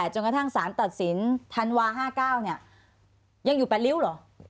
จนกระทั่ง๓ตัดศิลป์ดัญวาน๙๙นี้ยังอยู่แปดริ้วหรอ